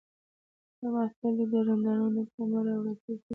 دا محفل دی د رندانو دلته مه راوړه توبې دي